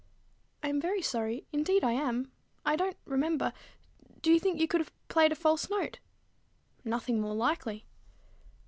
"I am very sorry, indeed I am. I don't remember Do you think you could have played a false note?" "Nothing more likely."